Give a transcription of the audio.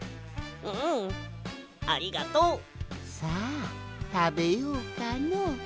うんありがとう！さあたべようかの。